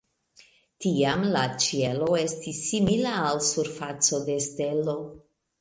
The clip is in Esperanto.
Tiam la ĉielo estis simila al surfaco de stelo.